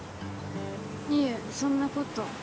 いえそんなこと。